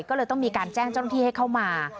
ก็เลยต้องมีการแจ้งเจ้าหน้าที่ให้เข้ามา